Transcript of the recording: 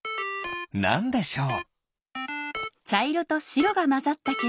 なんでしょう？